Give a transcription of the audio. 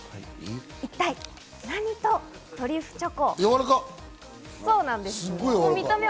一体、何とトリュフチョコ？